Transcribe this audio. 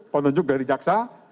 penunjuk dari jaksa